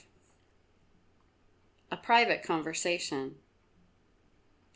A PRIVATE CONVERSATION.